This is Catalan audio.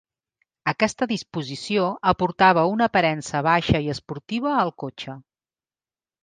Aquesta disposició aportava una aparença baixa i esportiva al cotxe.